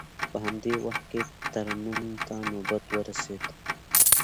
په همدې وخت کې ترنم ته نوبت ورسید.